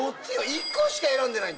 １個しか選んでない。